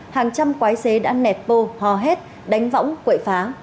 hàng trăm quái xế đã nẹt bô hò hét đánh võng quậy phá